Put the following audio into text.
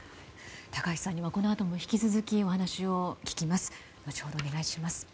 高橋さんにはこのあとも引き続きお話を聞きます。